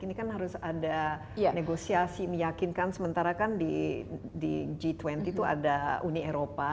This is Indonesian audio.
ini kan harus ada negosiasi meyakinkan sementara kan di g dua puluh itu ada uni eropa